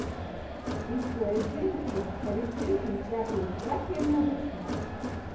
Viss, ko es zinu ir, ka vispirms jums jākļūst trakiem no dusmām!